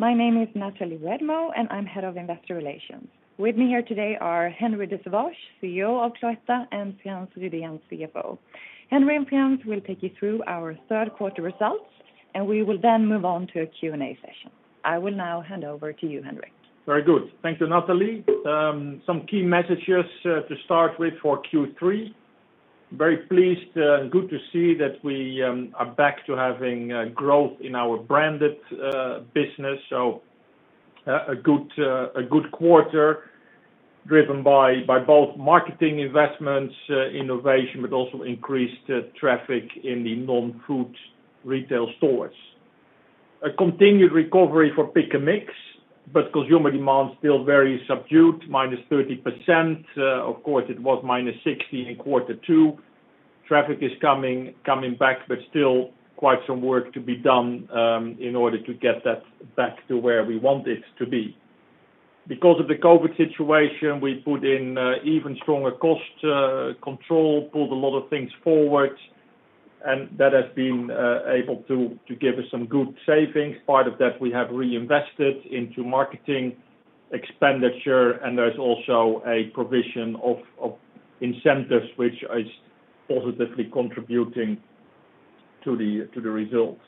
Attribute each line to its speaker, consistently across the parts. Speaker 1: My name is Nathalie Redmo, and I'm Head of Investor Relations. With me here today are Henri de Sauvage, CEO of Cloetta, and Frans Rydén, CFO. Henri and Frans will take you through our third quarter results, and we will then move on to a Q&A session. I will now hand over to you, Henri.
Speaker 2: Very good. Thank you, Nathalie. Some key messages to start with for Q3. Very pleased and good to see that we are back to having growth in our branded business. A good quarter driven by both marketing investments, innovation, but also increased traffic in the non-food retail stores. A continued recovery for Pick & Mix, but consumer demand still very subdued, -30%. Of course, it was -60% in quarter two. Traffic is coming back, but still quite some work to be done in order to get that back to where we want it to be. Because of the COVID situation, we put in even stronger cost control, pulled a lot of things forward, and that has been able to give us some good savings. Part of that we have reinvested into marketing expenditure, and there's also a provision of incentives, which is positively contributing to the results.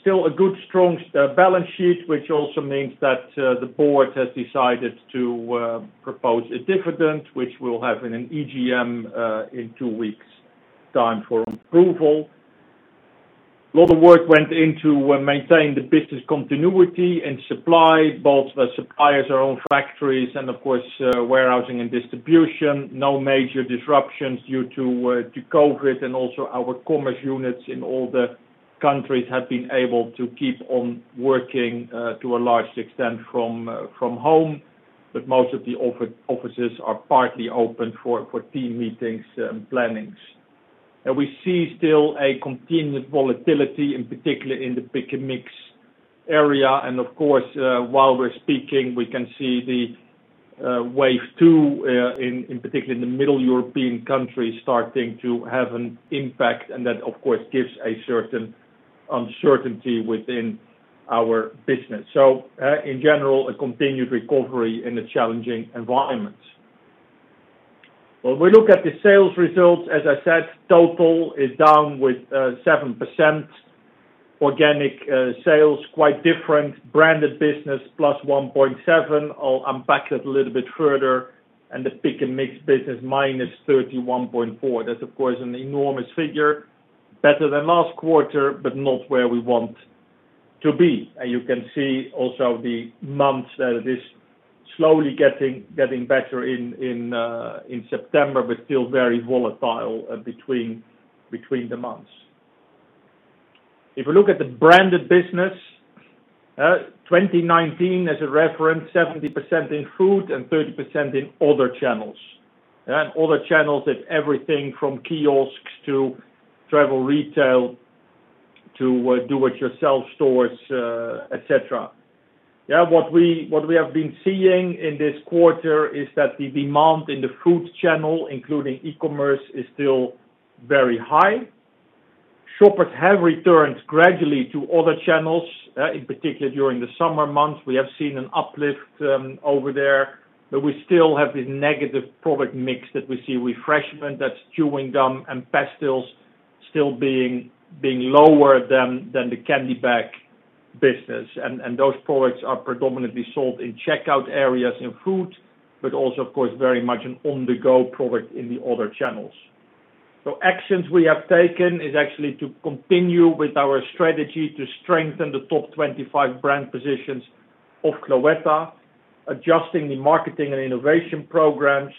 Speaker 2: Still a good, strong balance sheet, which also means that the board has decided to propose a dividend, which we'll have in an EGM in two weeks' time for approval. A lot of work went into maintaining the business continuity and supply, both the suppliers, our own factories, and of course, warehousing and distribution. No major disruptions due to COVID, and also our commerce units in all the countries have been able to keep on working to a large extent from home. Most of the offices are partly open for team meetings and plannings. We see still a continued volatility, in particular in the Pick & Mix area. Of course, while we're speaking, we can see the wave two, in particular in the Middle European countries, starting to have an impact, and that, of course, gives a certain uncertainty within our business. In general, a continued recovery in a challenging environment. When we look at the sales results, as I said, total is down with 7%. Organic sales, quite different. Branded business, +1.7%. I'll unpack that a little bit further. The Pick & Mix business, -31.4%. That's, of course, an enormous figure. Better than last quarter, but not where we want to be. You can see also the months that it is slowly getting better in September, but still very volatile between the months. If we look at the branded business, 2019 as a reference, 70% in food and 30% in other channels. Other channels is everything from kiosks to travel retail to do it yourself stores, et cetera. What we have been seeing in this quarter is that the demand in the food channel, including e-commerce, is still very high. Shoppers have returned gradually to other channels. In particular during the summer months, we have seen an uplift over there, we still have this negative product mix that we see refreshment, that is chewing gum and pastilles still being lower than the candy bag business. Those products are predominantly sold in checkout areas in food, also, of course, very much an on-the-go product in the other channels. Actions we have taken is actually to continue with our strategy to strengthen the top 25 brand positions of Cloetta, adjusting the marketing and innovation programs,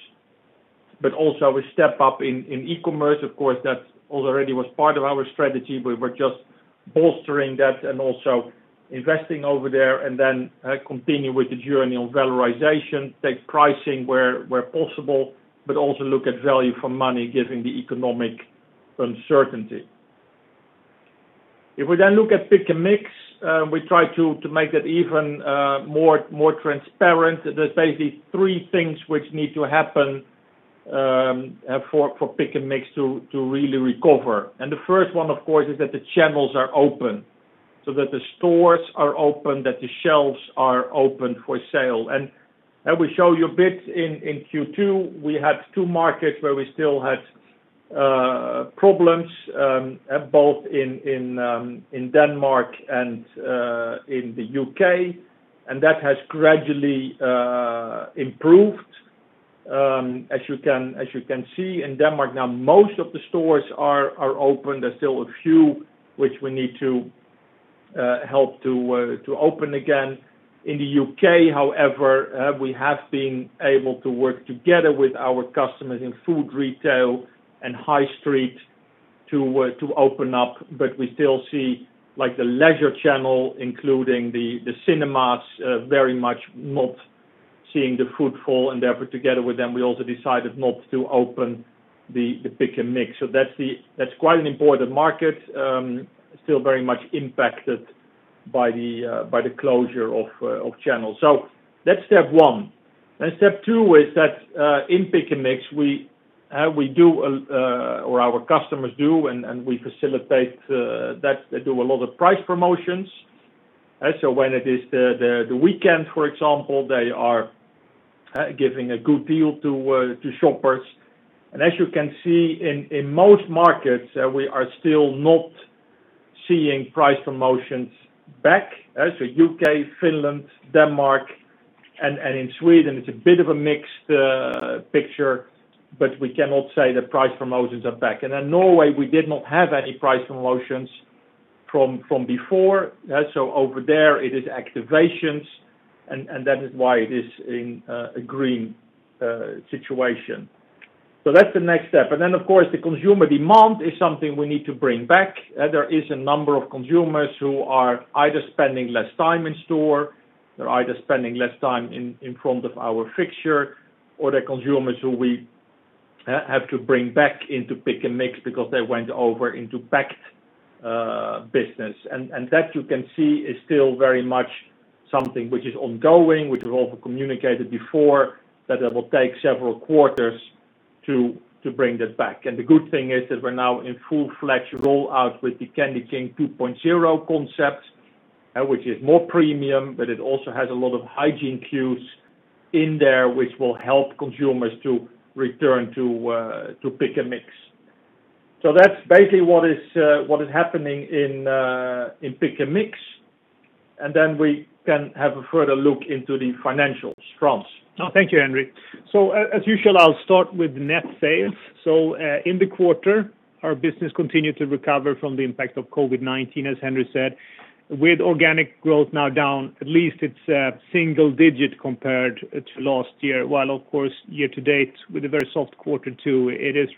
Speaker 2: also a step up in e-commerce. Of course, that already was part of our strategy. We were just bolstering that also investing over there, continue with the journey of valorization, take pricing where possible, also look at value for money, given the economic uncertainty. If we look at Pick & Mix, we try to make that even more transparent. There's basically three things which need to happen for Pick & Mix to really recover. The first one, of course, is that the channels are open, so that the stores are open, that the shelves are open for sale. We show you a bit in Q2, we had two markets where we still had problems, both in Denmark and in the U.K., and that has gradually improved. As you can see in Denmark now, most of the stores are open. There's still a few which we need to help to open again. In the U.K., however, we have been able to work together with our customers in food retail and high street to open up. We still see the leisure channel, including the cinemas, very much not seeing the footfall and therefore together with them, we also decided not to open the Pick & Mix. That's quite an important market, still very much impacted by the closure of channels. That's step one. Step two is that, in Pick & Mix, our customers do, and we facilitate that they do a lot of price promotions. When it is the weekend, for example, they are giving a good deal to shoppers. As you can see, in most markets, we are still not seeing price promotions back. U.K., Finland, Denmark, and in Sweden, it's a bit of a mixed picture, but we cannot say that price promotions are back. In Norway, we did not have any price promotions from before. Over there it is activations, and that is why it is in a green situation. That's the next step. Of course, the consumer demand is something we need to bring back. There is a number of consumers who are either spending less time in store, they're either spending less time in front of our fixture, or they're consumers who we have to bring back into Pick & Mix because they went over into packed business. That you can see is still very much something which is ongoing, which we've also communicated before, that it will take several quarters to bring this back. The good thing is that we're now in full-fledged rollout with the CandyKing 2.0 concept, which is more premium, but it also has a lot of hygiene cues in there which will help consumers to return to Pick & Mix. That's basically what is happening in Pick & Mix. We can have a further look into the financials. Frans?
Speaker 3: No, thank you, Henri. As usual, I'll start with net sales. In the quarter, our business continued to recover from the impact of COVID-19, as Henri said, with organic growth now down at least it's single-digit compared to last year, while of course year-to-date with a very soft Q2, it is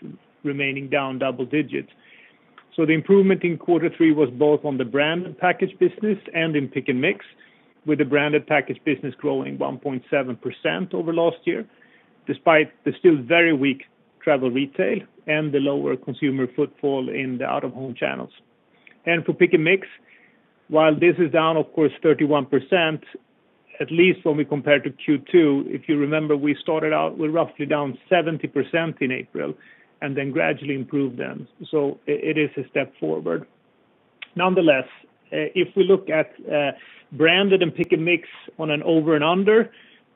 Speaker 3: remaining down double-digits. The improvement in Q3 was both on the branded package business and in pick & mix, with the branded package business growing 1.7% over last year, despite the still very weak travel retail and the lower consumer footfall in the out-of-home channels. For Pick & Mix, while this is down, of course, 31%, at least when we compare to Q2, if you remember, we started out with roughly down 70% in April and then gradually improved then. It is a step forward. Nonetheless, if we look at branded and Pick & Mix on an over and under,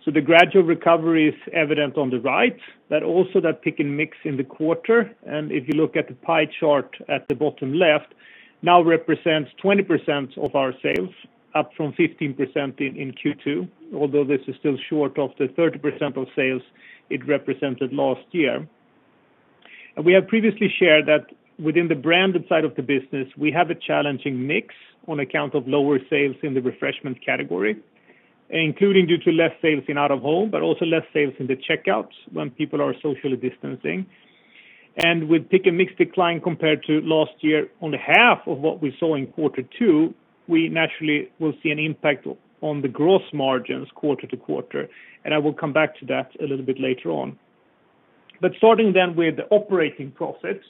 Speaker 3: so the gradual recovery is evident on the right, but also that Pick & Mix in the quarter, and if you look at the pie chart at the bottom left, now represents 20% of our sales, up from 15% in Q2, although this is still short of the 30% of sales it represented last year. We have previously shared that within the branded side of the business, we have a challenging mix on account of lower sales in the refreshment category, including due to less sales in out of home, but also less sales in the checkouts when people are socially distancing. With Pick & Mix decline compared to last year on half of what we saw in quarter two, we naturally will see an impact on the gross margins quarter-to-quarter, and I will come back to that a little bit later on. Starting then with operating profit,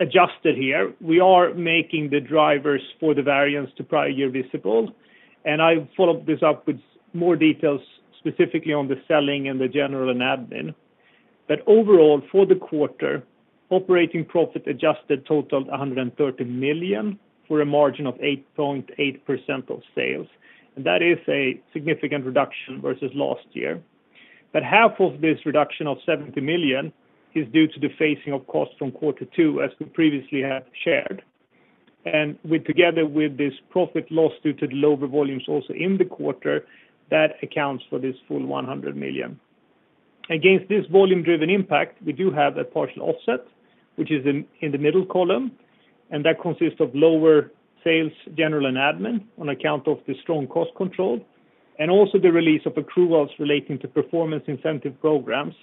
Speaker 3: adjusted here, we are making the drivers for the variance to prior year visible. I follow this up with more details specifically on the selling and the general and admin. Overall, for the quarter, operating profit adjusted totaled 130 million, for a margin of 8.8% of sales. That is a significant reduction versus last year. Half of this reduction of 70 million is due to the phasing of costs from quarter two, as we previously have shared. Together with this profit loss due to the lower volumes also in the quarter, that accounts for this full 100 million. Against this volume-driven impact, we do have a partial offset, which is in the middle column, and that consists of lower SG&A on account of the strong cost control, and also the release of accruals relating to performance incentive programs.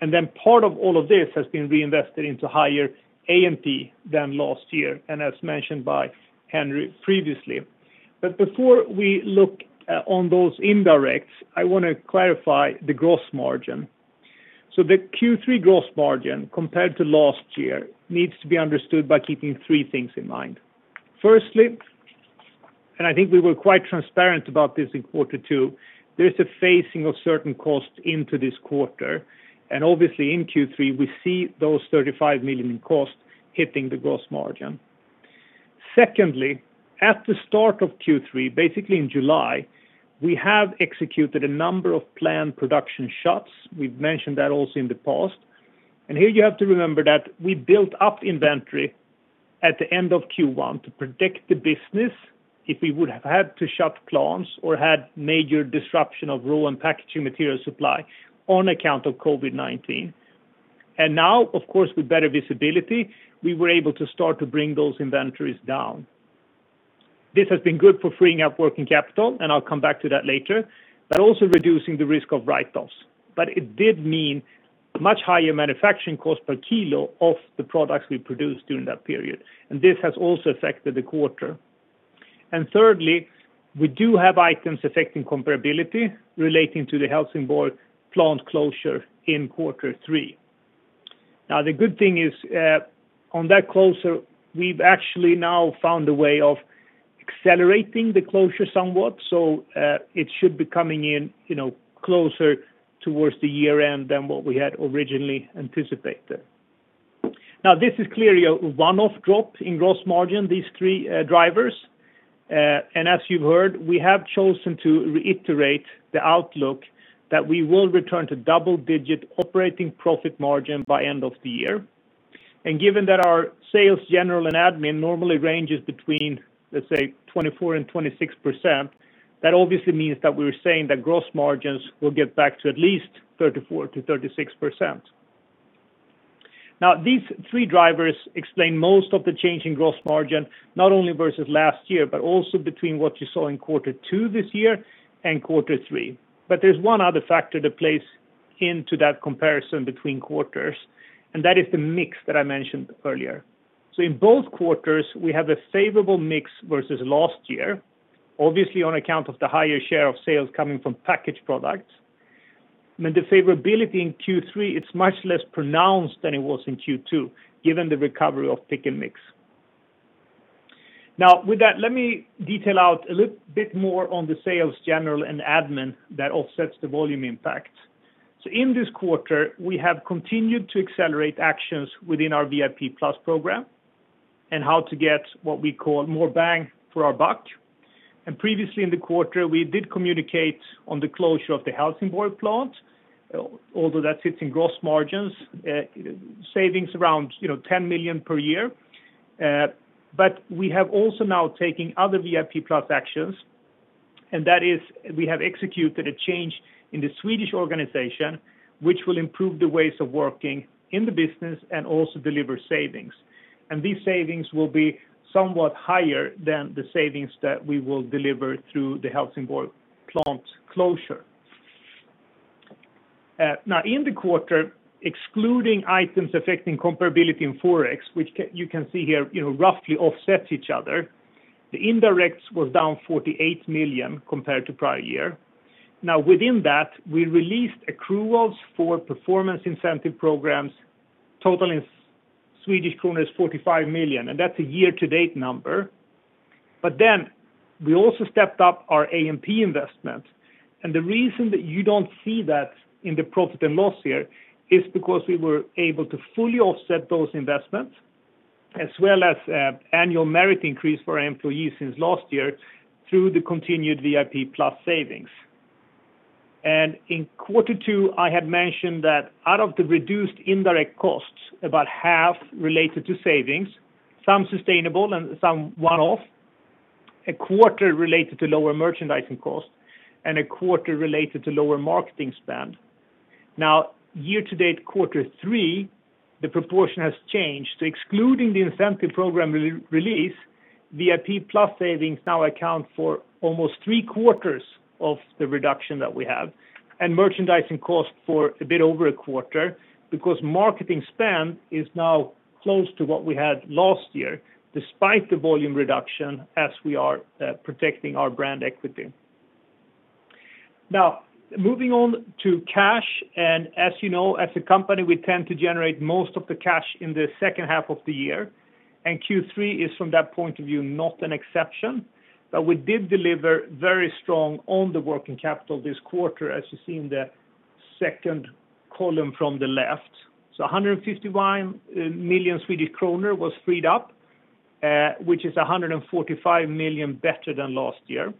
Speaker 3: Then part of all of this has been reinvested into higher A&P than last year, as mentioned by Henri previously. Before we look on those indirects, I want to clarify the gross margin. The Q3 gross margin compared to last year needs to be understood by keeping three things in mind. Firstly, I think we were quite transparent about this in quarter two, there's a phasing of certain costs into this quarter. Obviously in Q3, we see those 35 million in cost hitting the gross margin. Secondly, at the start of Q3, basically in July, we have executed a number of planned production shuts. We've mentioned that also in the past. Here you have to remember that we built up inventory at the end of Q1 to protect the business if we would have had to shut plants or had major disruption of raw and packaging material supply on account of COVID-19. Now, of course, with better visibility, we were able to start to bring those inventories down. This has been good for freeing up working capital, and I'll come back to that later, but also reducing the risk of write-offs. It did mean much higher manufacturing cost per kilo of the products we produced during that period, and this has also affected the quarter. Thirdly, we do have items affecting comparability relating to the Helsingborg plant closure in quarter three. The good thing is, on that closure, we've actually now found a way of accelerating the closure somewhat. It should be coming in closer towards the year-end than what we had originally anticipated. This is clearly a one-off drop in gross margin, these three drivers. As you've heard, we have chosen to reiterate the outlook that we will return to double-digit operating profit margin by end of the year. Given that our SG&A normally ranges between, let's say 24%-26%, that obviously means that we're saying that gross margins will get back to at least 34%-36%. These three drivers explain most of the change in gross margin, not only versus last year, but also between what you saw in quarter two this year and quarter three. There's one other factor that plays into that comparison between quarters, and that is the mix that I mentioned earlier. In both quarters, we have a favorable mix versus last year, obviously on account of the higher share of sales coming from packaged products. The favorability in Q3, it's much less pronounced than it was in Q2, given the recovery of Pick & Mix. With that, let me detail out a little bit more on the sales general and admin that offsets the volume impact. In this quarter, we have continued to accelerate actions within our VIP+ program and how to get what we call more bang for our buck. Previously in the quarter, we did communicate on the closure of the Helsingborg plant, although that sits in gross margins, savings around 10 million per year. We have also now taken other VIP+ actions, that is we have executed a change in the Swedish organization, which will improve the ways of working in the business and also deliver savings. These savings will be somewhat higher than the savings that we will deliver through the Helsingborg plant closure. In the quarter, excluding items affecting comparability in Forex, which you can see here roughly offsets each other, the indirects was down 48 million compared to prior year. Within that, we released accruals for performance incentive programs totaling SEK 45 million, that's a year-to-date number. We also stepped up our A&P investment. The reason that you don't see that in the profit and loss here is because we were able to fully offset those investments, as well as annual merit increase for our employees since last year through the continued VIP+ savings. In quarter two, I had mentioned that out of the reduced indirect costs, about half related to savings, some sustainable and some one-off, a quarter related to lower merchandising costs, and a quarter related to lower marketing spend. Year-to-date quarter three, the proportion has changed to excluding the incentive program release, VIP+ savings now account for almost three-quarters of the reduction that we have, and merchandising cost for a bit over a quarter because marketing spend is now close to what we had last year, despite the volume reduction as we are protecting our brand equity. Moving on to cash, as you know, as a company, we tend to generate most of the cash in the second half of the year, and Q3 is from that point of view, not an exception. We did deliver very strong on the working capital this quarter, as you see in the second column from the left. 151 million Swedish kronor was freed up, which is 145 million better than last year.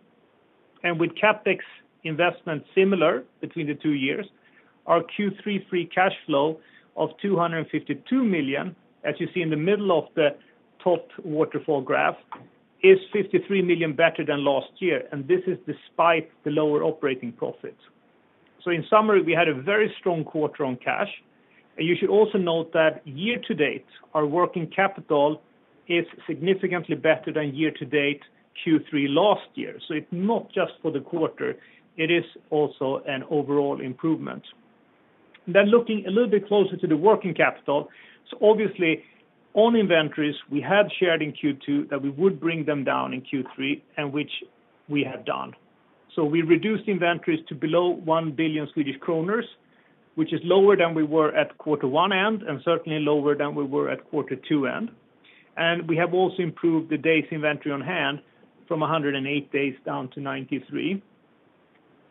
Speaker 3: With CapEx investment similar between the two years, our Q3 free cash flow of 252 million, as you see in the middle of the top waterfall graph, is 53 million better than last year, and this is despite the lower operating profits. In summary, we had a very strong quarter on cash. You should also note that year-to-date, our working capital is significantly better than year-to-date Q3 last year. It's not just for the quarter, it is also an overall improvement. Looking a little bit closer to the working capital. Obviously, on inventories, we had shared in Q2 that we would bring them down in Q3, and which we have done. We reduced inventories to below 1 billion Swedish kronor, which is lower than we were at quarter one end, and certainly lower than we were at quarter two end. We have also improved the days inventory on hand from 108 days down to 93.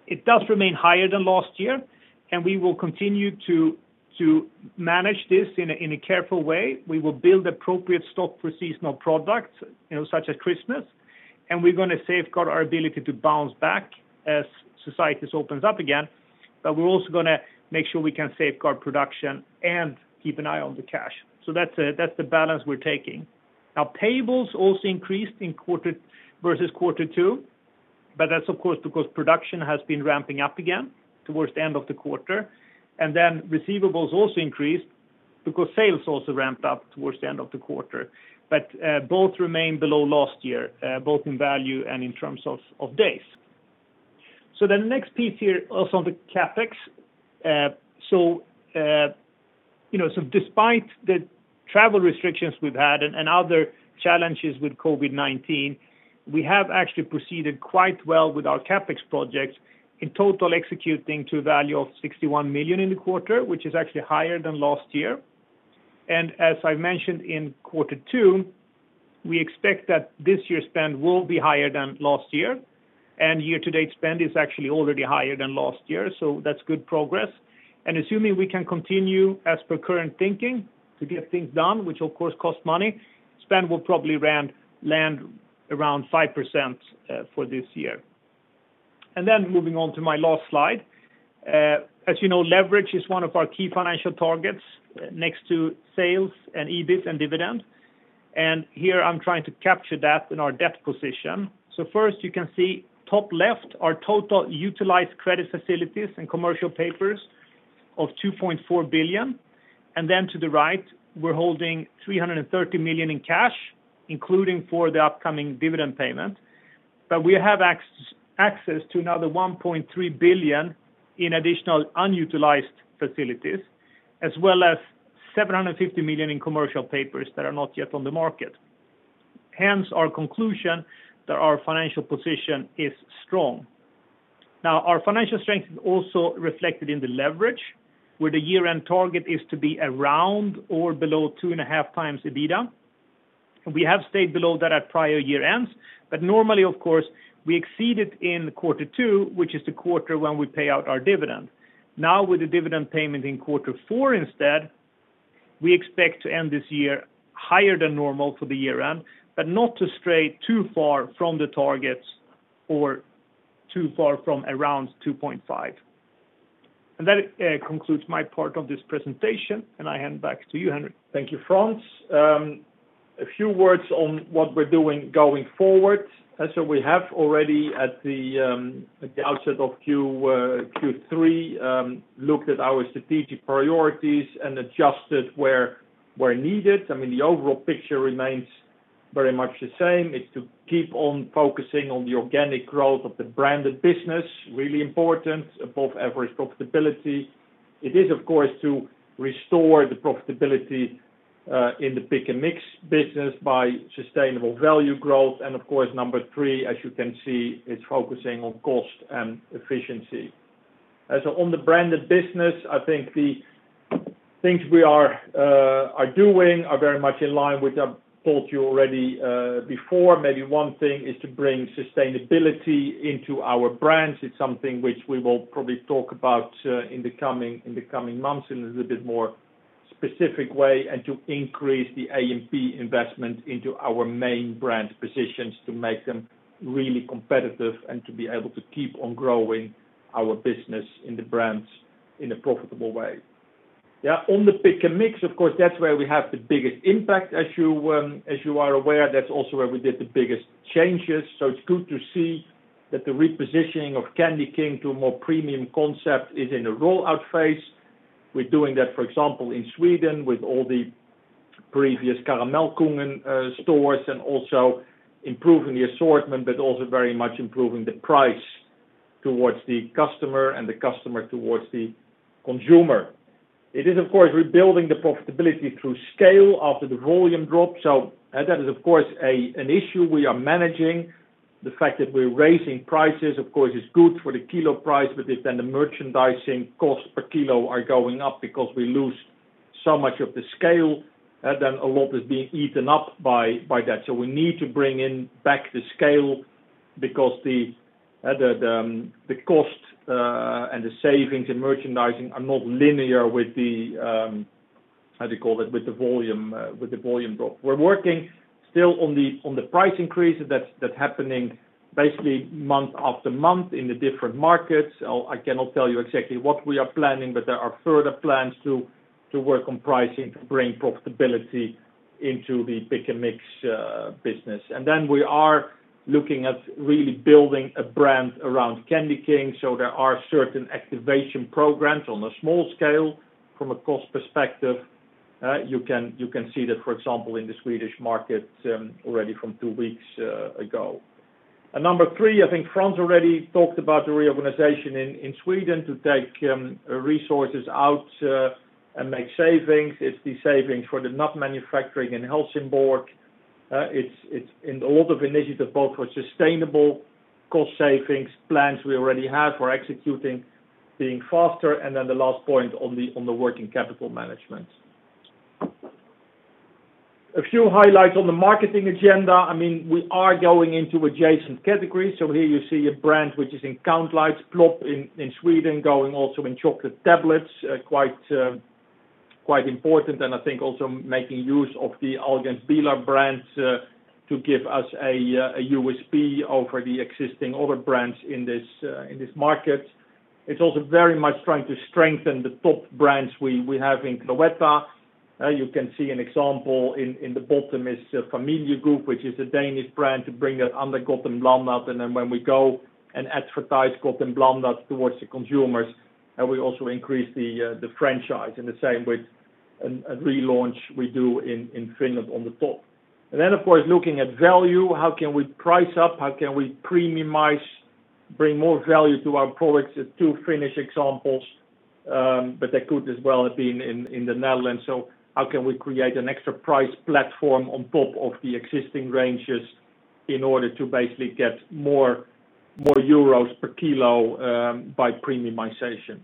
Speaker 3: It does remain higher than last year, and we will continue to manage this in a careful way. We will build appropriate stock for seasonal products such as Christmas, and we're going to safeguard our ability to bounce back as societies opens up again. We're also going to make sure we can safeguard production and keep an eye on the cash. That's the balance we're taking. Payables also increased versus quarter two, but that's of course because production has been ramping up again towards the end of the quarter. Receivables also increased because sales also ramped up towards the end of the quarter. Both remained below last year, both in value and in terms of days. The next piece here, also on the CapEx. Despite the travel restrictions we've had and other challenges with COVID-19, we have actually proceeded quite well with our CapEx projects, in total executing to a value of 61 million in the quarter, which is actually higher than last year. As I mentioned in quarter two, we expect that this year's spend will be higher than last year-to-date spend is actually already higher than last year, that's good progress. Assuming we can continue as per current thinking to get things done, which of course costs money, spend will probably land around 5% for this year. Moving on to my last slide. As you know, leverage is one of our key financial targets next to sales and EBIT and dividend. Here I'm trying to capture that in our debt position. First you can see top left, our total utilized credit facilities and commercial papers of 2.4 billion. To the right, we're holding 330 million in cash, including for the upcoming dividend payment. We have access to another 1.3 billion in additional unutilized facilities, as well as 750 million in commercial papers that are not yet on the market. Hence our conclusion that our financial position is strong. Now, our financial strength is also reflected in the leverage, where the year-end target is to be around or below 2.5x EBITDA. We have stayed below that at prior year ends, but normally of course, we exceed it in quarter two, which is the quarter when we pay out our dividend. Now with the dividend payment in quarter four instead, we expect to end this year higher than normal for the year-end, but not to stray too far from the targets or too far from around 2.5. That concludes my part of this presentation, and I hand back to you, Henri.
Speaker 2: Thank you, Frans. A few words on what we're doing going forward. We have already at the outset of Q3 looked at our strategic priorities and adjusted where needed. I mean, the overall picture remains very much the same. It's to keep on focusing on the organic growth of the branded business, really important, above average profitability. It is of course to restore the profitability in the Pick & Mix business by sustainable value growth. Of course, number three, as you can see, is focusing on cost and efficiency. On the branded business, I think the things we are doing are very much in line with I've told you already before. Maybe one thing is to bring sustainability into our brands. It's something which we will probably talk about in the coming months in a little bit more specific way, and to increase the A&P investment into our main brand positions to make them really competitive and to be able to keep on growing our business in the brands in a profitable way. On the Pick & Mix, of course, that's where we have the biggest impact. As you are aware, that's also where we did the biggest changes. It's good to see that the repositioning of CandyKing to a more premium concept is in a rollout phase. We're doing that, for example, in Sweden with all the previous Karamellkungen stores and also improving the assortment, but also very much improving the price towards the customer and the customer towards the consumer. It is of course rebuilding the profitability through scale after the volume drop. That is of course an issue we are managing. The fact that we're raising prices, of course, is good for the kilo price, but if then the merchandising cost per kilo are going up because we lose so much of the scale, then a lot is being eaten up by that. We need to bring in back the scale because the cost and the savings in merchandising are not linear with the, how do you call it, with the volume drop. We're working still on the price increases that's happening basically month after month in the different markets. I cannot tell you exactly what we are planning, but there are further plans to work on pricing to bring profitability into the Pick & Mix business. Then we are looking at really building a brand around CandyKing. There are certain activation programs on a small scale from a cost perspective. You can see that, for example, in the Swedish market already from two weeks ago. Number three, I think Frans already talked about the reorganization in Sweden to take resources out and make savings. It's the savings for the nut manufacturing in Helsingborg. It's in a lot of initiatives, both for sustainable cost savings plans we already have, we're executing being faster, and then the last point on the working capital management. A few highlights on the marketing agenda. I mean, we are going into adjacent categories. Here you see a brand which is in count lines, Plopp in Sweden, going also in chocolate tablets, quite important and I think also making use of the Ahlgrens Bilar brands to give us a USP over the existing other brands in this market. It's also very much trying to strengthen the top brands we have in Cloetta. You can see an example in the bottom is Familie Guf, which is a Danish brand to bring that under Gott & Blandat. When we go and advertise Gott & Blandat towards the consumers, and we also increase the franchise in the same way, a relaunch we do in Finland on the top. Of course looking at value, how can we price up? How can we premiumize? Bring more value to our products is two Finnish examples, but they could as well have been in the Netherlands. How can we create an extra price platform on top of the existing ranges in order to basically get more euros per kilo by premiumization?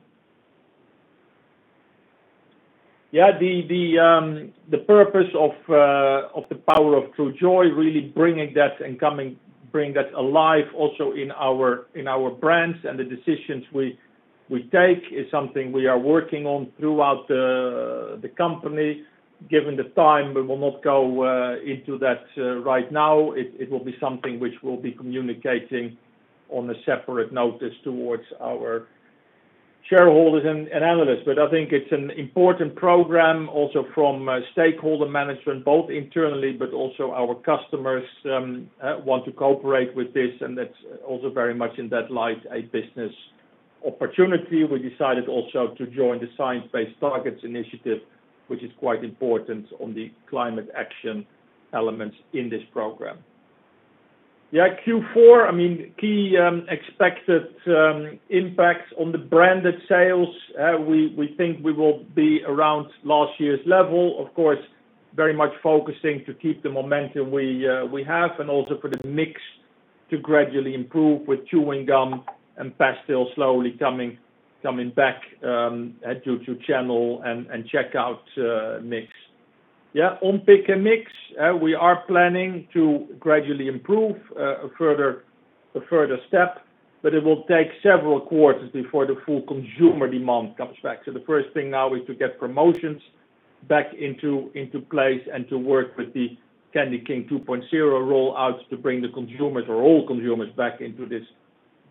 Speaker 2: Yeah, the purpose of the Power of True Joy, really bringing that and bring that alive also in our brands and the decisions we take is something we are working on throughout the company. Given the time, we will not go into that right now. It will be something which we'll be communicating on a separate notice towards our shareholders and analysts. I think it's an important program also from stakeholder management, both internally but also our customers want to cooperate with this, and that's also very much in that light, a business opportunity. We decided also to join the Science Based Targets initiative, which is quite important on the climate action elements in this program. Yeah, Q4, key expected impacts on the branded sales. We think we will be around last year's level. Of course, very much focusing to keep the momentum we have and also for the mix to gradually improve with chewing gum and pastille slowly coming back at Pick & Mix. Yeah, on Pick & Mix, we are planning to gradually improve a further step, but it will take several quarters before the full consumer demand comes back. The first thing now is to get promotions back into place and to work with the CandyKing 2.0 rollouts to bring all consumers back into this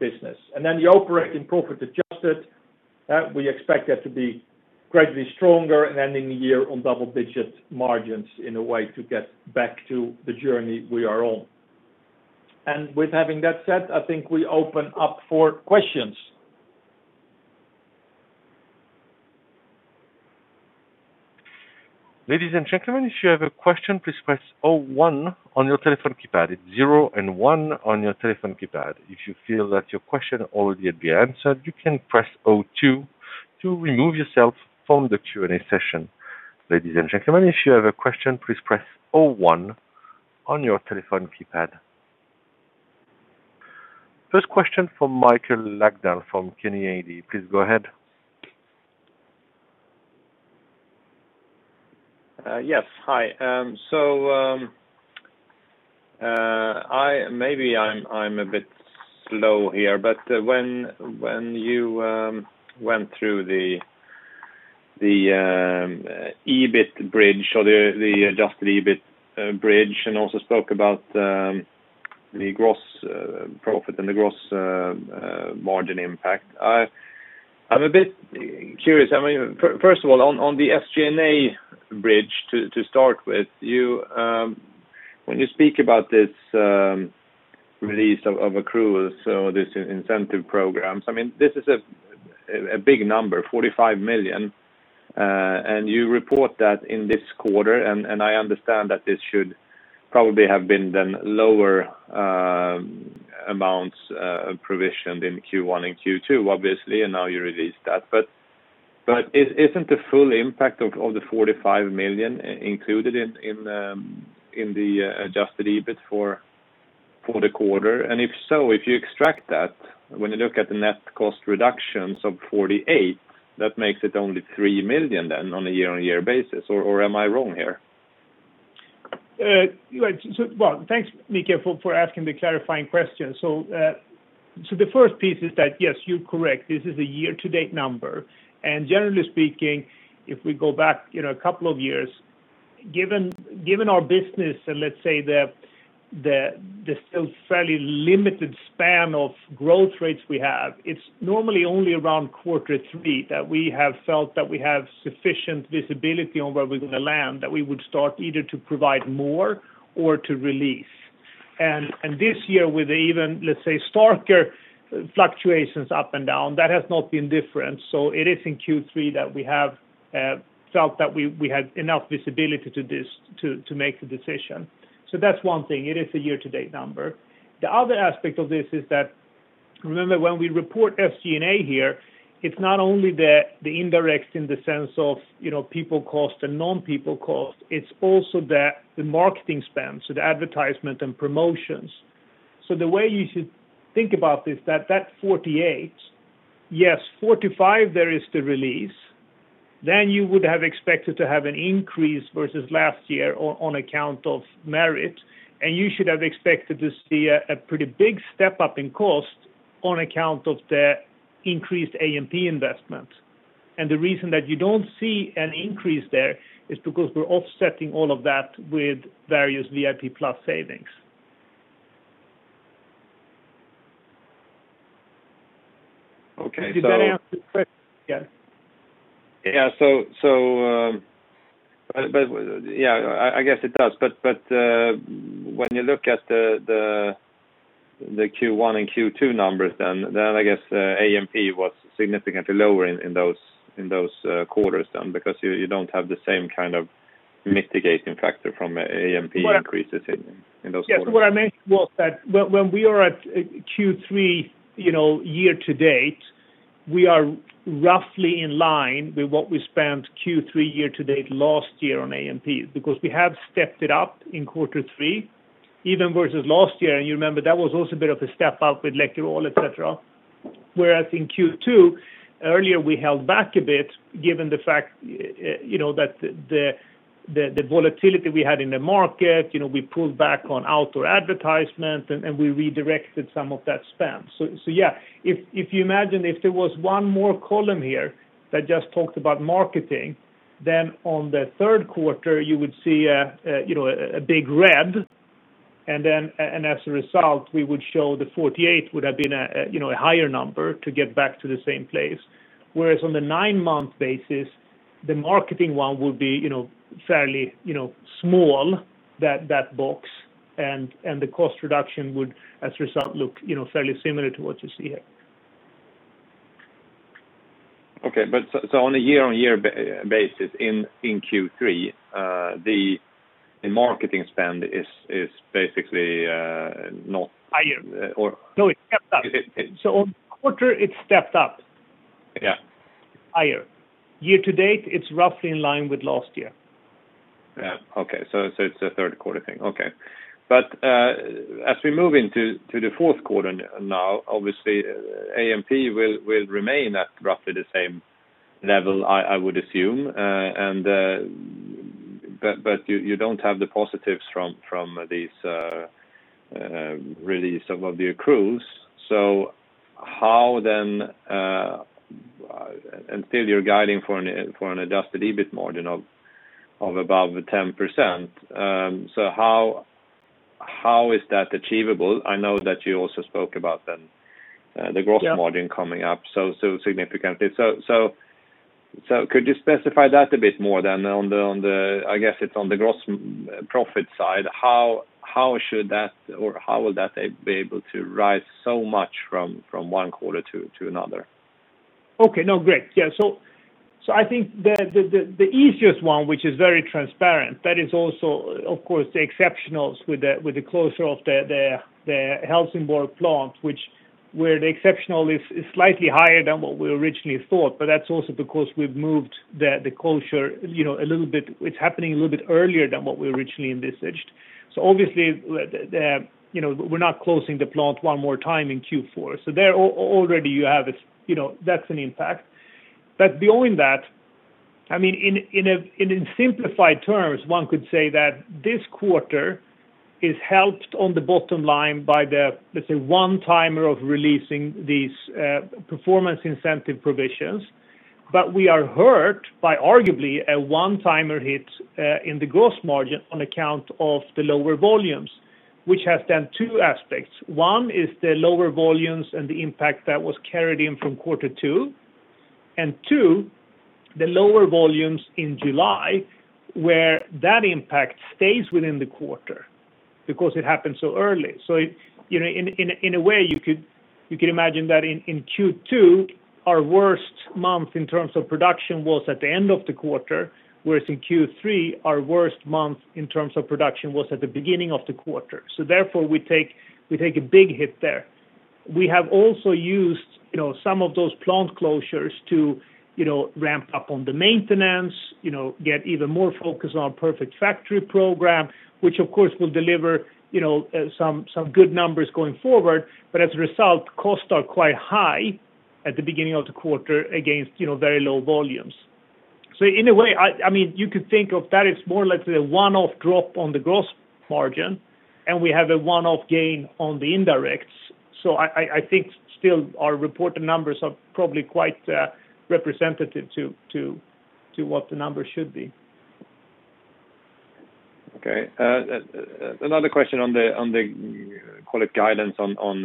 Speaker 2: business. The operating profit adjusted, we expect that to be gradually stronger and ending the year on double-digit margins in a way to get back to the journey we are on. With having that said, I think we open up for questions.
Speaker 4: Ladies and gentlemen, if you have a question, please press zero one on your telephone keypad. It is zero and one on your telephone keypad. If you feel that your question already had been answered, you can press zero two to remove yourself from the Q&A session. Ladies and gentlemen, if you have a question, please press zero one on your telephone keypad. First question from Mikael Löfdahl from Carnegie. Please go ahead.
Speaker 5: Yes. Hi. Maybe I'm a bit slow here, but when you went through the EBIT bridge or the adjusted EBIT bridge and also spoke about the gross profit and the gross margin impact, I'm a bit curious. First of all, on the SG&A bridge to start with, when you speak about this release of accruals or this incentive programs, this is a big number, 45 million, and you report that in this quarter, and I understand that this should probably have been then lower amounts provisioned in Q1 and Q2, obviously, and now you release that. Isn't the full impact of the 45 million included in the adjusted EBIT for the quarter? If so, if you extract that, when you look at the net cost reductions of 48 million, that makes it only 3 million then on a year-on-year basis, or am I wrong here?
Speaker 2: Thanks, Mikael, for asking the clarifying question. The first piece is that, yes, you're correct. This is a year-to-date number. Generally speaking, if we go back a couple of years, given our business and let's say the still fairly limited span of growth rates we have, it's normally only around quarter three that we have felt that we have sufficient visibility on where we're going to land, that we would start either to provide more or to release. This year, with even, let's say, starker fluctuations up and down, that has not been different. It is in Q3 that we have felt that we had enough visibility to make the decision. That's one thing. It is a year-to-date number. The other aspect of this is that, remember when we report SG&A here, it's not only the indirects in the sense of people cost and non-people cost, it's also the marketing spend, so the advertisement and promotions. The way you should think about this, that 48, yes, 45 there is the release, then you would have expected to have an increase versus last year on account of merit, and you should have expected to see a pretty big step up in cost on account of the increased A&P investment. The reason that you don't see an increase there is because we're offsetting all of that with various VIP+ savings.
Speaker 5: Okay.
Speaker 2: Did that answer the question? Yeah
Speaker 5: Yeah. I guess it does. When you look at the Q1 and Q2 numbers, I guess A&P was significantly lower in those quarters then because you don't have the same kind of mitigation factor from A&P increases in those quarters.
Speaker 3: Yes. What I meant was that when we are at Q3 year to date, we are roughly in line with what we spent Q3 year to date last year on A&P, because we have stepped it up in quarter three, even versus last year. You remember that was also a bit of a step up with Läkerol, et cetera. Whereas in Q2, earlier we held back a bit given the fact that the volatility we had in the market, we pulled back on outdoor advertisement, and we redirected some of that spend. Yeah. If you imagine if there was one more column here that just talked about marketing, then on the third quarter you would see a big red, as a result, we would show the 48 would have been a higher number to get back to the same place. Whereas on the nine-month basis, the marketing one would be fairly small, that box, and the cost reduction would as a result look fairly similar to what you see here.
Speaker 5: Okay. On a year-on-year basis in Q3, the marketing spend is basically not-
Speaker 3: Higher.
Speaker 5: ...or?
Speaker 3: No, it stepped up. On quarter, it stepped up.
Speaker 5: Yeah.
Speaker 3: Higher. Year to date, it's roughly in line with last year.
Speaker 5: Yeah. Okay. It's a third quarter thing. Okay. As we move into the fourth quarter now, obviously A&P will remain at roughly the same level, I would assume. You don't have the positives from these release of your accruals. Still you're guiding for an adjusted EBIT margin of above 10%. How is that achievable? I know that you also spoke about the gross margin coming up so significantly. Could you specify that a bit more then? I guess it's on the gross profit side, how should that or how will that be able to rise so much from one quarter to another?
Speaker 3: Okay. No, great. Yeah. I think the easiest one, which is very transparent, that is also, of course, the exceptionals with the closure of the Helsingborg plant, where the exceptional is slightly higher than what we originally thought, but that's also because we've moved the closure a little bit. It's happening a little bit earlier than what we originally envisaged. Obviously, we're not closing the plant one more time in Q4. There, already you have it, that's an impact. Beyond that, in simplified terms, one could say that this quarter is helped on the bottom line by the, let's say, one-timer of releasing these performance incentive provisions. We are hurt by arguably a one-timer hit in the gross margin on account of the lower volumes, which has then two aspects. One is the lower volumes and the impact that was carried in from Q2, and two, the lower volumes in July, where that impact stays within the quarter because it happened so early. In a way, you could imagine that in Q2, our worst month in terms of production was at the end of the quarter, whereas in Q3, our worst month in terms of production was at the beginning of the quarter. Therefore, we take a big hit there. We have also used some of those plant closures to ramp up on the maintenance, get even more focus on Perfect Factory program, which of course will deliver some good numbers going forward. As a result, costs are quite high at the beginning of the quarter against very low volumes. In a way, you could think of that as more or less a one-off drop on the gross margin, and we have a one-off gain on the indirects. I think still our reported numbers are probably quite representative to what the numbers should be.
Speaker 5: Okay. Another question on the Cloetta guidance on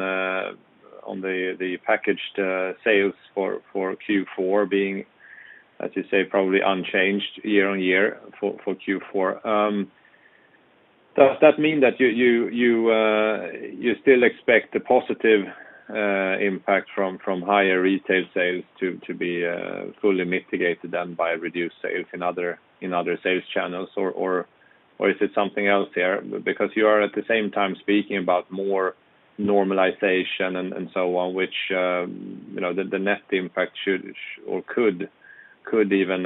Speaker 5: the packaged sales for Q4 being, as you say, probably unchanged year-over-year for Q4. Does that mean that you still expect the positive impact from higher retail sales to be fully mitigated then by reduced sales in other sales channels? Or is it something else there? You are at the same time speaking about more normalization and so on, which the net impact should or could even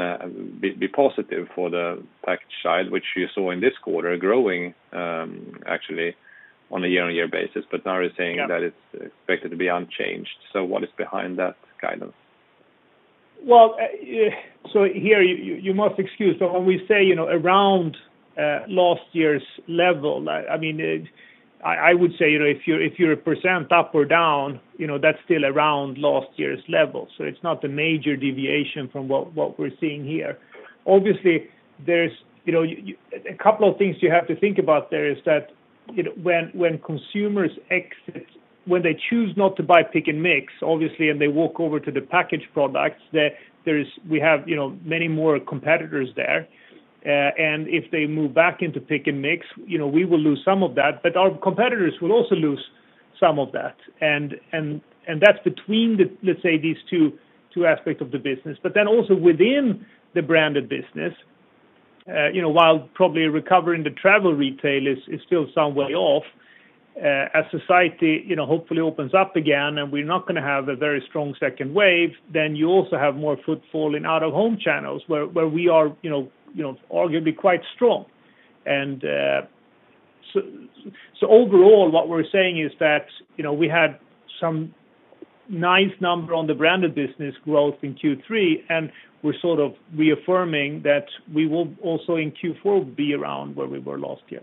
Speaker 5: be positive for the packaged side, which you saw in this quarter growing, actually, on a year-over-year basis. Now you're saying that it's expected to be unchanged. What is behind that guidance?
Speaker 3: Here, you must excuse, but when we say around last year's level, I would say, if you're a percent up or down, that's still around last year's level. It's not a major deviation from what we're seeing here. Obviously, a couple of things you have to think about there is that when consumers exit, when they choose not to buy Pick & Mix, obviously, and they walk over to the packaged products, we have many more competitors there. If they move back into Pick & Mix, we will lose some of that, but our competitors will also lose some of that. That's between, let's say, these two aspects of the business. Also within the branded business, while probably recovering the travel retail is still some way off. As society hopefully opens up again, and we're not going to have a very strong second wave, then you also have more footfall in out-of-home channels, where we are arguably quite strong. Overall, what we're saying is that, we had some nice numbers on the branded business growth in Q3, and we're sort of reaffirming that we will also in Q4 be around where we were last year.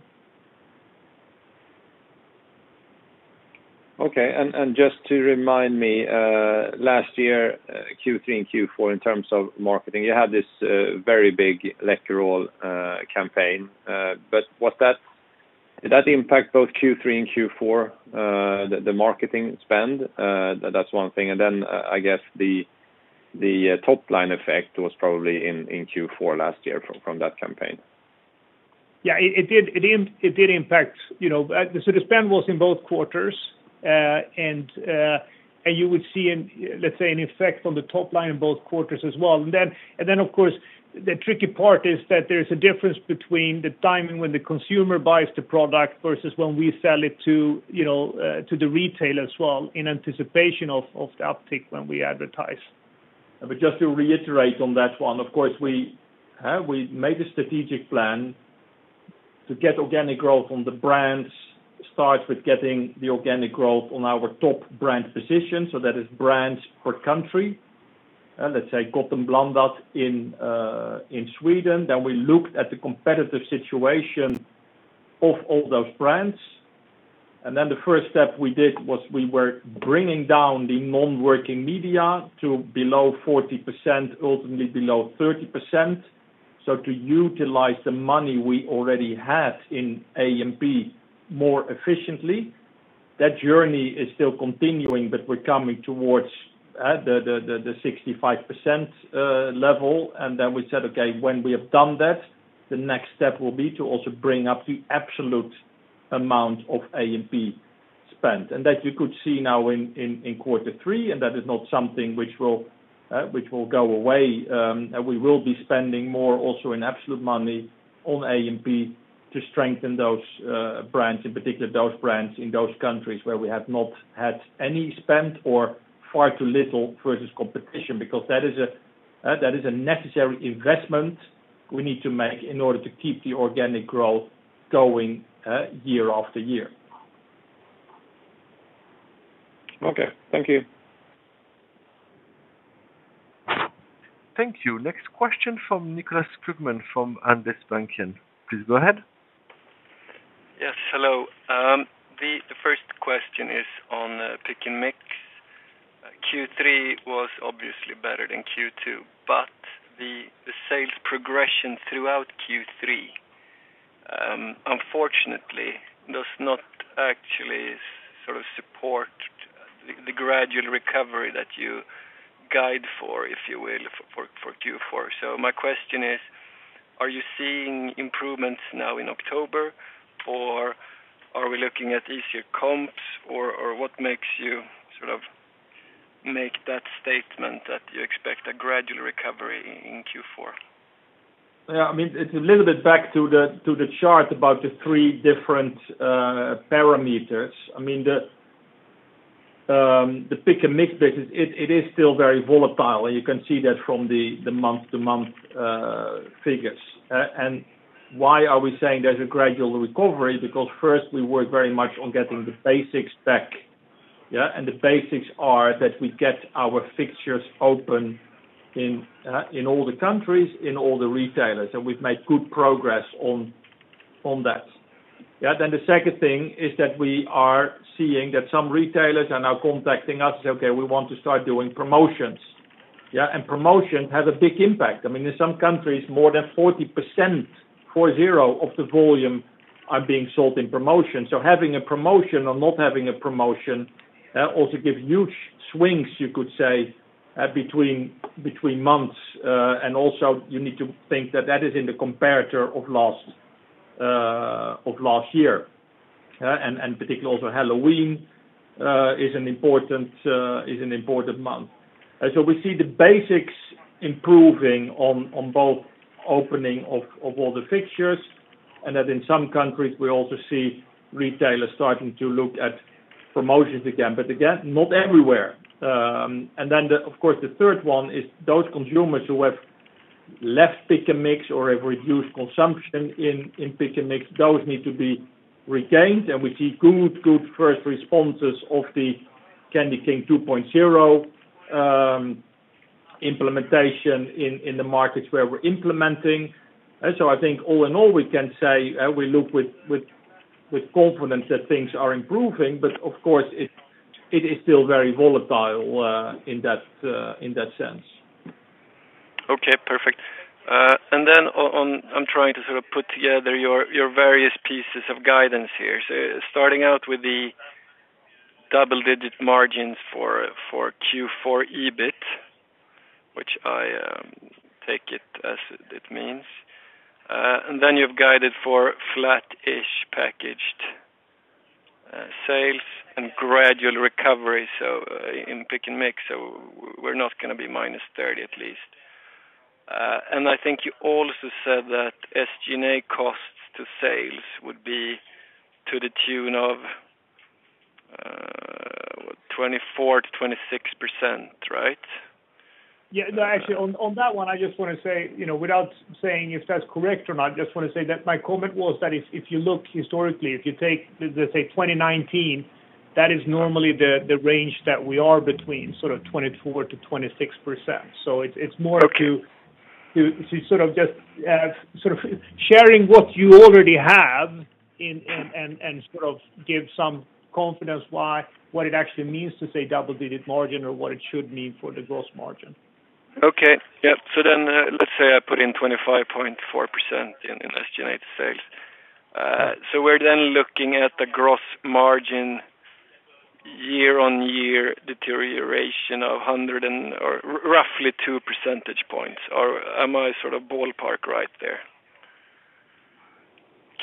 Speaker 5: Okay. Just to remind me, last year, Q3 and Q4, in terms of marketing, you had this very big Läkerol campaign. Did that impact both Q3 and Q4, the marketing spend? That's one thing. I guess the top line effect was probably in Q4 last year from that campaign.
Speaker 3: Yeah, it did impact. The spend was in both quarters. You would see, let's say, an effect on the top line in both quarters as well. Of course, the tricky part is that there's a difference between the timing when the consumer buys the product versus when we sell it to the retail as well, in anticipation of the uptick when we advertise.
Speaker 2: Just to reiterate on that one, of course, we made a strategic plan to get organic growth on the brands, start with getting the organic growth on our top brand position, so that is brands per country. Let's say Gott & Blandat in Sweden. We looked at the competitive situation of all those brands. The first step we did was we were bringing down the non-working media to below 40%, ultimately below 30%, so to utilize the money we already have in A&P more efficiently. That journey is still continuing, we're coming towards the 65% level. We said, "Okay, when we have done that, the next step will be to also bring up the absolute amount of A&P spend." That you could see now in quarter three, and that is not something which will go away. We will be spending more also in absolute money on A&P to strengthen those brands, in particular, those brands in those countries where we have not had any spend or far too little versus competition, because that is a necessary investment we need to make in order to keep the organic growth going year after year.
Speaker 5: Okay. Thank you.
Speaker 4: Thank you. Next question from Nicklas Skogman from Handelsbanken. Please go ahead.
Speaker 6: Yes, hello. The first question is on Pick & Mix. Q3 was obviously better than Q2, but the sales progression throughout Q3, unfortunately, does not actually sort of support the gradual recovery that you guide for, if you will, for Q4. My question is, are you seeing improvements now in October, or are we looking at easier comps, or what makes you sort of make that statement that you expect a gradual recovery in Q4?
Speaker 2: Yeah, it's a little bit back to the chart about the three different parameters. The Pick & Mix business, it is still very volatile, you can see that from the month-to-month figures. Why are we saying there's a gradual recovery? Because first, we work very much on getting the basics back. Yeah. The basics are that we get our fixtures open in all the countries, in all the retailers. We've made good progress on that. Yeah. The second thing is that we are seeing that some retailers are now contacting us, say, "Okay, we want to start doing promotions." Yeah. Promotions have a big impact. In some countries, more than 40% of the volume are being sold in promotions. Having a promotion or not having a promotion, also gives huge swings, you could say, between months. You need to think that is in the comparator of last year. Particular Halloween is an important month. We see the basics improving on both opening of all the fixtures, and that in some countries we also see retailers starting to look at promotions again, but again, not everywhere. The third one is those consumers who have left Pick & Mix or have reduced consumption in Pick & Mix, those need to be regained. We see good first responses of the CandyKing 2.0 implementation in the markets where we're implementing. I think all in all, we can say, we look with confidence that things are improving, but of course, it is still very volatile in that sense.
Speaker 6: Okay, perfect. I'm trying to sort of put together your various pieces of guidance here. Starting out with the double-digit margins for Q4 EBIT, which I take it as it means. Then you've guided for flat-ish packaged sales and gradual recovery, so in Pick & Mix, so we're not going to be -30%, at least. I think you also said that SG&A costs to sales would be to the tune of 24%-26%, right?
Speaker 3: Yeah. No, actually, on that one, I just want to say, without saying if that's correct or not, just want to say that my comment was that if you look historically, if you take, let's say, 2019, that is normally the range that we are between, sort of 24%-26%. It's more to-
Speaker 6: Okay.
Speaker 3: Just sharing what you already have. Give some confidence why, what it actually means to say double-digit margin or what it should mean for the gross margin.
Speaker 6: Okay. Yeah. Let's say I put in 25.4% in SG&A sales. We're then looking at the gross margin year-on-year deterioration of roughly two percentage points, or am I sort of ballpark right there?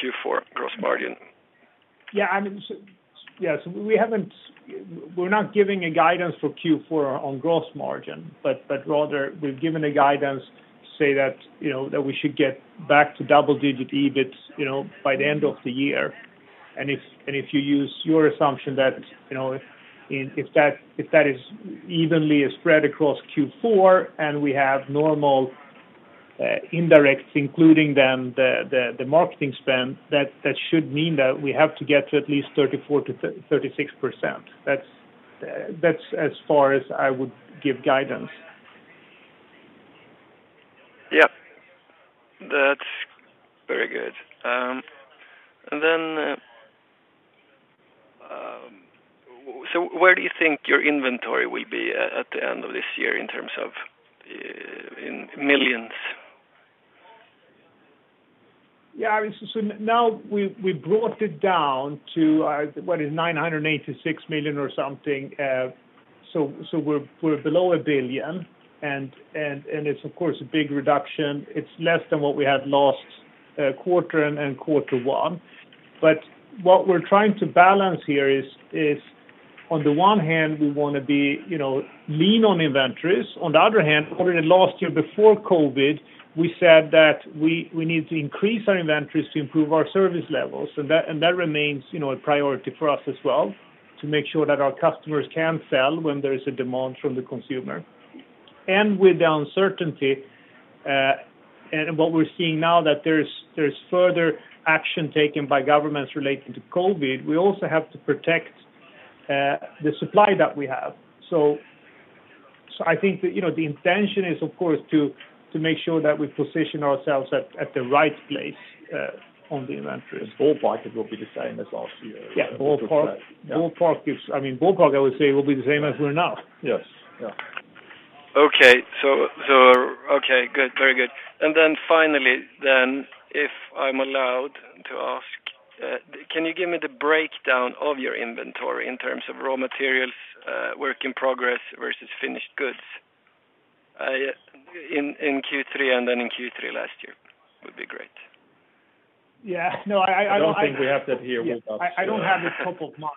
Speaker 6: Q4 gross margin.
Speaker 3: We're not giving a guidance for Q4 on gross margin, but rather we've given a guidance to say that we should get back to double-digit EBIT by the end of the year. If you use your assumption that, if that is evenly spread across Q4 and we have normal indirect, including then the marketing spend, that should mean that we have to get to at least 34%-36%. That's as far as I would give guidance.
Speaker 6: Yep. That's very good. Where do you think your inventory will be at the end of this year in terms of millions?
Speaker 3: Yeah. Now we brought it down to 986 million or something. We're below 1 billion and it's of course a big reduction. It's less than what we had last quarter and quarter one. What we're trying to balance here is, on the one hand, we want to be lean on inventories. On the other hand, already last year before COVID, we said that we need to increase our inventories to improve our service levels. That remains a priority for us as well, to make sure that our customers can sell when there is a demand from the consumer. With the uncertainty, and what we're seeing now that there's further action taken by governments relating to COVID, we also have to protect the supply that we have. I think that the intention is, of course, to make sure that we position ourselves at the right place on the inventories.
Speaker 2: Ballpark, it will be the same as last year.
Speaker 3: Yeah. Ballpark, I would say will be the same as we're now.
Speaker 2: Yes.
Speaker 3: Yeah.
Speaker 6: Okay, good. Very good. Finally then, if I'm allowed to ask, can you give me the breakdown of your inventory in terms of raw materials, work in progress versus finished goods in Q3 and then in Q3 last year, would be great.
Speaker 3: Yeah. No.
Speaker 2: I don't think we have that here with us.
Speaker 3: I don't have it top of mind.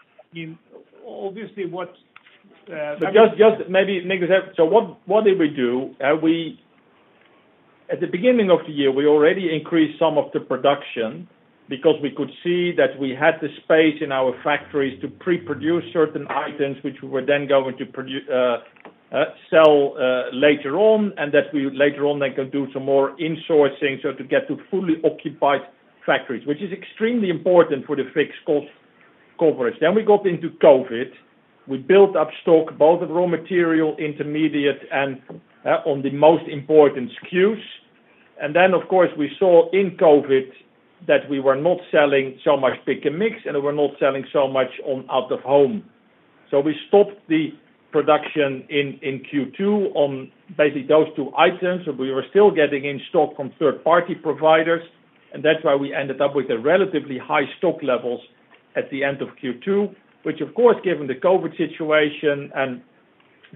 Speaker 2: Just maybe make this happen. What did we do? At the beginning of the year, we already increased some of the production because we could see that we had the space in our factories to pre-produce certain items which we were then going to sell later on, and that we would later on then go do some more insourcing, so to get to fully occupied factories. Which is extremely important for the fixed cost coverage. Then we got into COVID. We built up stock, both of raw material, intermediate, and on the most important SKUs. Then, of course, we saw in COVID that we were not selling so much Pick & Mix, and we were not selling so much on out of home. We stopped the production in Q2 on basically those two items, and we were still getting in stock from third party providers. That's why we ended up with a relatively high stock levels at the end of Q2. Which, of course, given the COVID situation and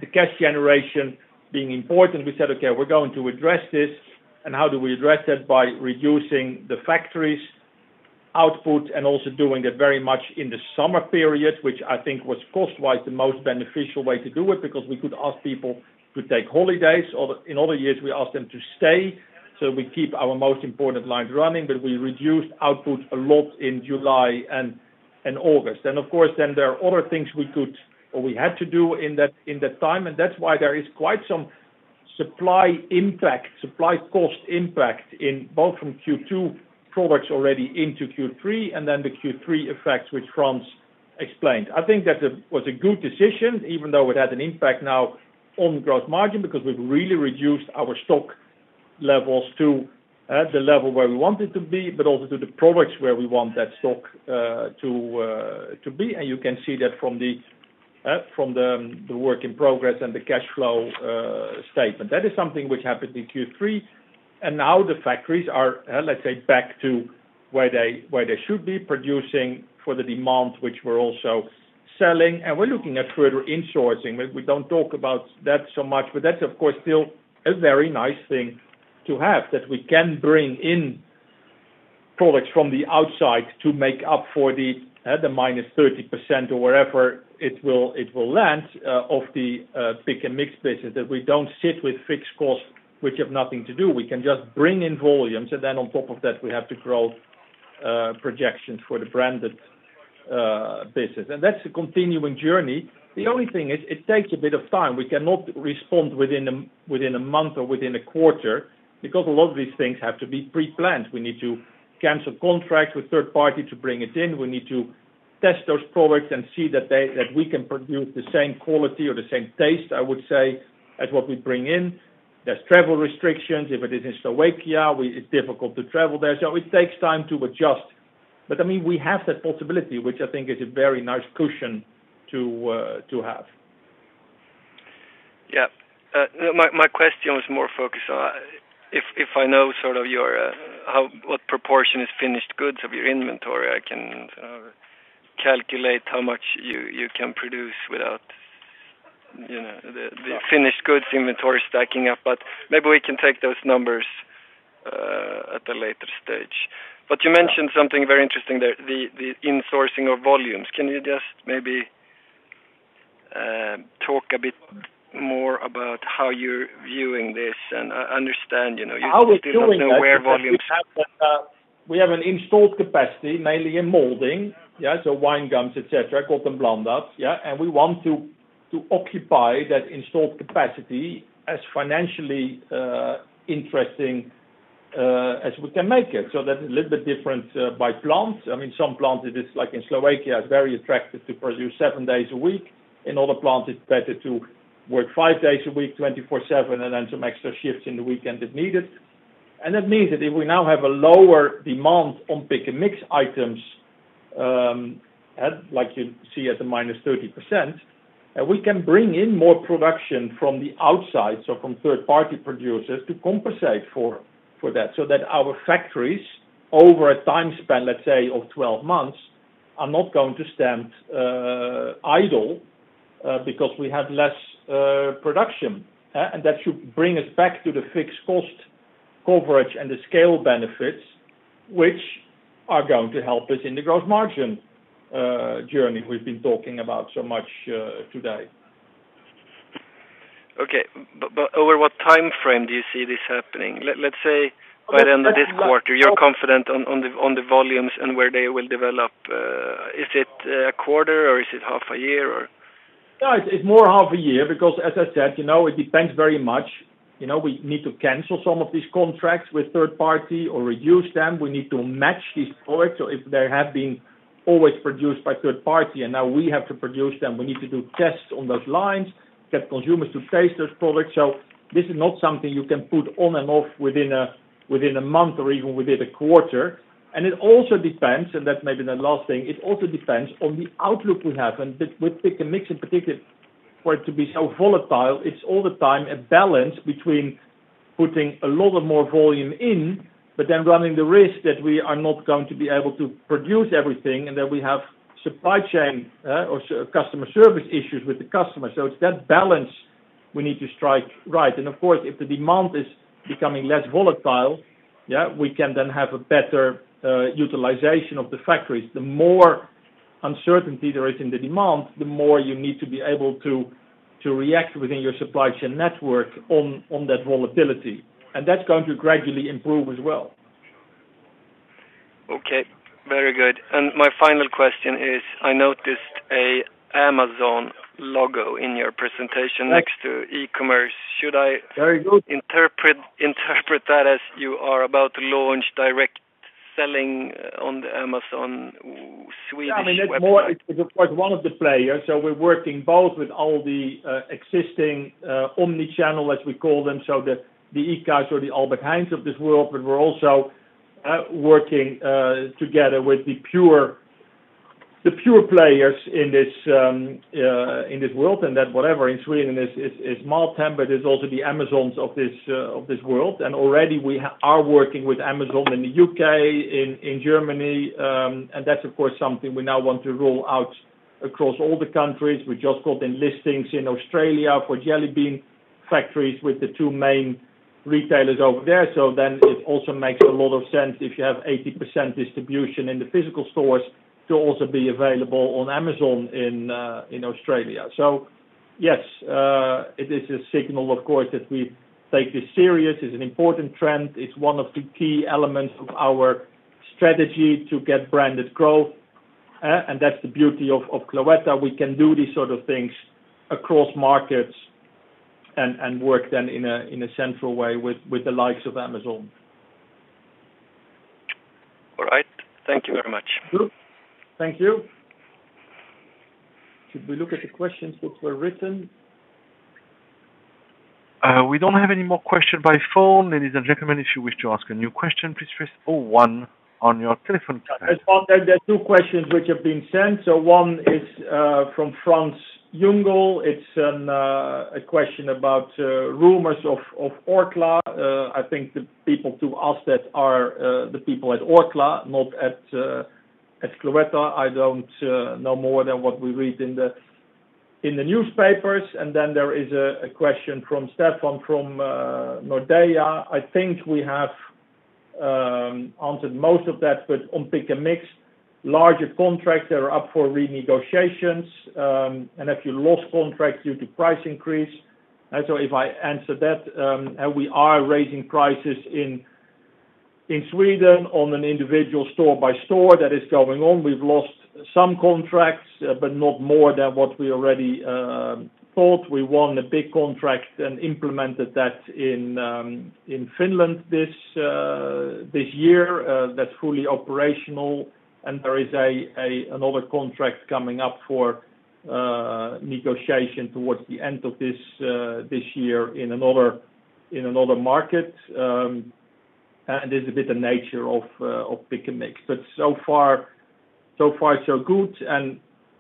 Speaker 2: the cash generation being important, we said, "Okay, we're going to address this." How do we address that? By reducing the factory's output and also doing it very much in the summer period, which I think was cost-wise the most beneficial way to do it, because we could ask people to take holidays. In other years, we ask them to stay so we keep our most important lines running, but we reduced output a lot in July and August. Of course, there are other things we could or we had to do in that time, and that's why there is quite some supply cost impact in both from Q2 products already into Q3, and then the Q3 effects, which Frans explained. I think that was a good decision, even though it had an impact now on gross margin, because we've really reduced our stock levels to the level where we want it to be, but also to the products where we want that stock to be. You can see that from the work in progress and the cash flow statement. That is something which happened in Q3. Now the factories are, let's say, back to where they should be producing for the demand, which we're also selling. We're looking at further insourcing. We don't talk about that so much, but that's of course still a very nice thing to have, that we can bring in products from the outside to make up for the other -30% or wherever it will land of the Pick & Mix business. That we don't sit with fixed costs which have nothing to do. We can just bring in volumes, then on top of that, we have the growth projections for the branded business. That's a continuing journey. The only thing is, it takes a bit of time. We cannot respond within a month or within a quarter because a lot of these things have to be pre-planned. We need to cancel contracts with third party to bring it in. We need to test those products and see that we can produce the same quality or the same taste, I would say, as what we bring in. There's travel restrictions. If it is in Slovakia, it's difficult to travel there, it takes time to adjust. We have that possibility, which I think is a very nice cushion to have.
Speaker 6: Yeah. My question was more focused on if I know what proportion is finished goods of your inventory, I can calculate how much you can produce without the finished goods inventory stacking up, but maybe we can take those numbers at a later stage. You mentioned something very interesting there, the insourcing of volumes. Can you just maybe talk a bit more about how you're viewing this?
Speaker 2: How we're doing that, because we have an installed capacity, mainly in molding. Wine gums, et cetera, Gott & Blandat. We want to occupy that installed capacity as financially interesting as we can make it. That's a little bit different by plant. Some plants, it is like in Slovakia, it's very attractive to produce seven days a week. In other plants, it's better to work five days a week, 24/7, and then some extra shifts in the weekend if needed. That means that if we now have a lower demand on Pick & Mix items, like you see as a -30%, we can bring in more production from the outside, so from third party producers to compensate for that, so that our factories over a time span, let's say, of 12 months, are not going to stand idle because we have less production. That should bring us back to the fixed cost coverage and the scale benefits, which are going to help us in the gross margin journey we've been talking about so much today.
Speaker 6: Okay. Over what timeframe do you see this happening? Let's say by the end of this quarter, you're confident on the volumes and where they will develop. Is it a quarter or is it half a year or?
Speaker 2: No, it's more half a year because as I said, it depends very much. We need to cancel some of these contracts with third party or reduce them. We need to match these products. If they have been always produced by third party and now we have to produce them, we need to do tests on those lines, get consumers to taste those products. This is not something you can put on and off within a month or even within a quarter. It also depends, and that's maybe the last thing, it also depends on the outlook we have and with Pick & Mix in particular, for it to be so volatile, it's all the time a balance between putting a lot of more volume in, but then running the risk that we are not going to be able to produce everything, and then we have supply chain or customer service issues with the customer. It's that balance we need to strike right. Of course, if the demand is becoming less volatile, we can then have a better utilization of the factories. The more uncertainty there is in the demand, the more you need to be able to react within your supply chain network on that volatility. That's going to gradually improve as well.
Speaker 6: Okay. Very good. My final question is, I noticed an Amazon logo in your presentation next to e-commerce.
Speaker 2: Very good.
Speaker 6: Interpret that as you are about to launch direct selling on the Amazon Swedish website?
Speaker 2: It's of course one of the players. We're working both with all the existing omni-channel, as we call them, the ICAs or the Albert Heijn of this world. We're also working together with the pure players in this world, in Sweden is MatHem, it is also the Amazon of this world. Already we are working with Amazon in the U.K., in Germany, that's of course something we now want to roll out across all the countries. We just got the listings in Australia for The Jelly Bean Factory with the two main retailers over there. It also makes a lot of sense if you have 80% distribution in the physical stores to also be available on Amazon in Australia. Yes, it is a signal, of course, that we take this serious. It's an important trend. It's one of the key elements of our strategy to get branded growth. That's the beauty of Cloetta. We can do these sort of things across markets and work then in a central way with the likes of Amazon.
Speaker 6: All right. Thank you very much.
Speaker 2: Good. Thank you. Should we look at the questions which were written?
Speaker 4: We don't have any more question by phone. Ladies and gentlemen, if you wish to ask a new question, please press zero one on your telephone keypad.
Speaker 2: There are two questions which have been sent. One is from Franz Junger. It's a question about rumors of Orkla. I think the people to ask that are the people at Orkla, not at Cloetta. I don't know more than what we read in the newspapers. There is a question from Stefan from Nordea. I think we have answered most of that, but on Pick & Mix, larger contracts are up for renegotiations, and if you lost contracts due to price increase. If I answer that, we are raising prices in Sweden on an individual store by store that is going on. We've lost some contracts, but not more than what we already thought. We won a big contract and implemented that in Finland this year. That's fully operational and there is another contract coming up for negotiation towards the end of this year in another market. It's a bit of nature of Pick & Mix, but so far, so good.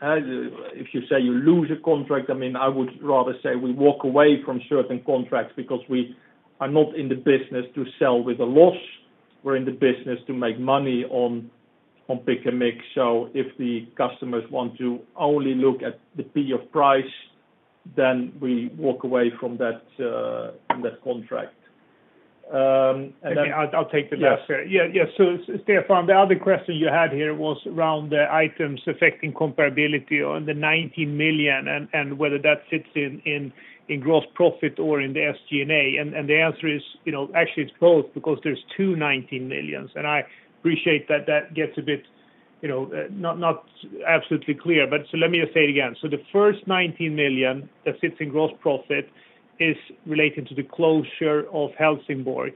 Speaker 2: If you say you lose a contract, I would rather say we walk away from certain contracts because we are not in the business to sell with a loss. We're in the business to make money on Pick & Mix. So if the customers want to only look at the P of price, then we walk away from that contract.
Speaker 3: Okay. I'll take the last.
Speaker 2: Yeah.
Speaker 3: Stefan, the other question you had here was around the items affecting comparability on the 19 million and whether that sits in gross profit or in the SG&A. The answer is, actually it's both because there's two 19 millions, and I appreciate that gets a bit not absolutely clear. Let me just say it again. The first 19 million that sits in gross profit is related to the closure of Helsingborg,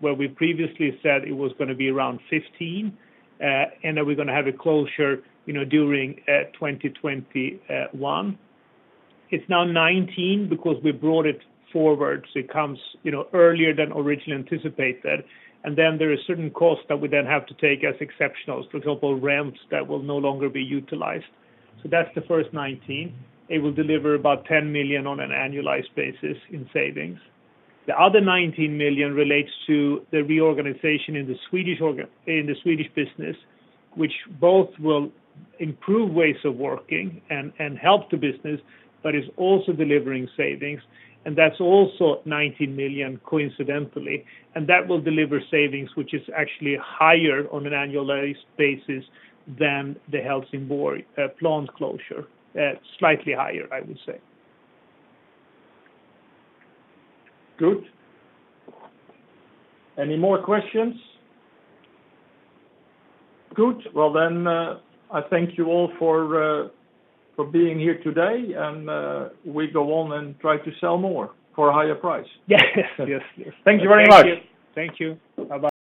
Speaker 3: where we previously said it was going to be around 15, and that we're going to have a closure during 2021. It's now 19 because we brought it forward, so it comes earlier than originally anticipated. There are certain costs that we then have to take as exceptionals. For example, ramps that will no longer be utilized. That's the first 19. It will deliver about 10 million on an annualized basis in savings. The other 19 million relates to the reorganization in the Swedish business, which both will improve ways of working and help the business, but is also delivering savings. That's also 19 million coincidentally. That will deliver savings, which is actually higher on an annualized basis than the Helsingborg plant closure. Slightly higher, I would say.
Speaker 2: Good. Any more questions? Good. Well, I thank you all for being here today, and we go on and try to sell more for a higher price.
Speaker 3: Yes.
Speaker 2: Thank you very much.
Speaker 3: Thank you. Bye-bye.